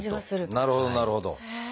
なるほどなるほど。